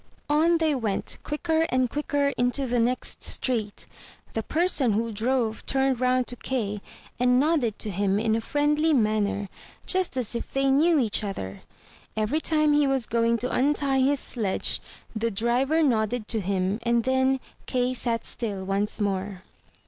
On they went quicker and quicker into the next street; the person who drove turned round to Kay, and nodded to him in a friendly 307 MY BOOK HOUSE manner, just as if they knew each other. Every time he was going to untie his sledge the driver nodded to him, and then Kay sat still once more.